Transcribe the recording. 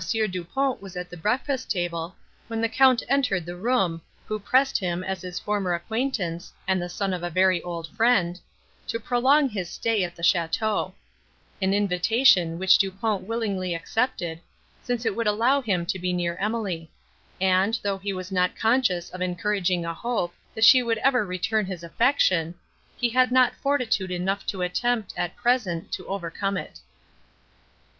Du Pont was at the breakfast table, when the Count entered the room, who pressed him, as his former acquaintance, and the son of a very old friend, to prolong his stay at the château; an invitation, which Du Pont willingly accepted, since it would allow him to be near Emily; and, though he was not conscious of encouraging a hope, that she would ever return his affection, he had not fortitude enough to attempt, at present, to overcome it.